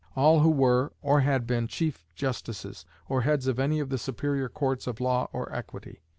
All who were or had been chief justices, or heads of any of the superior courts of law or equity.